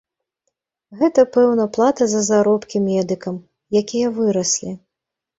Гэта, пэўна, плата за заробкі медыкам, якія выраслі.